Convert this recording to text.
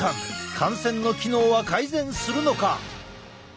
汗腺の機能は改善するのか？